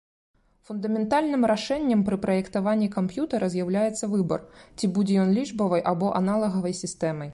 Фундаментальным рашэннем пры праектаванні камп'ютара з'яўляецца выбар, ці будзе ён лічбавай або аналагавай сістэмай.